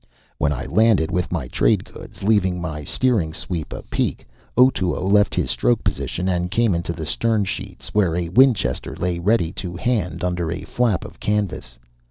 When I landed with my trade goods, leaving my steering sweep apeak, Otoo left his stroke position and came into the stern sheets, where a Winchester lay ready to hand under a flap of canvas.